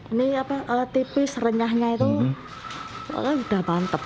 ini tipis renyahnya itu udah mantep